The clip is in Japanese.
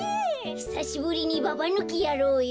ひさしぶりにババぬきやろうよ。